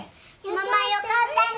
ママよかったね！